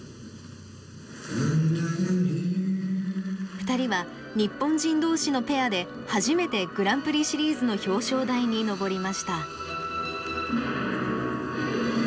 ２人は日本人同士のペアで初めてグランプリシリーズの表彰台に上りました。